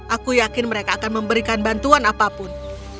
aku yakin mereka akan memberikan bantuan apapun